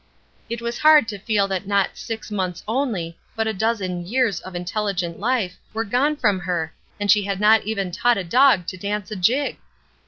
It was hard to feel that not "six months" only, but a dozen years of intelligent life, were gone from her, and she had not even taught a dog to dance a jig!